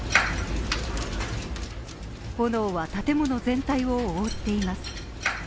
炎は建物全体を覆っています。